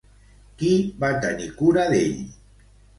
Qui va tenir cura d'ell?